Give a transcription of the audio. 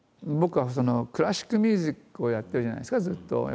僕はクラシックミュージックをやってるじゃないですかずっと。